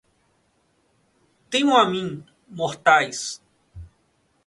Temam a mim, mortais